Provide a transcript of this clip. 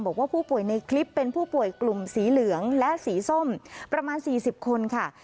บอกว่าผู้ป่วยในคลิปเป็นผู้ป่วยกลุ่มสีเหลืองและสีส้มประมาณ๔๐คนค่ะ